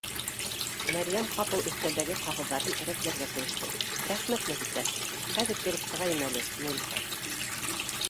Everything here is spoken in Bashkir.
Мәрйәм ҡапыл өҫтәлдәге ҡағыҙҙарын рәтләргә кереште: — Рәхмәт, Нәфисә, хәҙер кереп сығайым әле Нуриха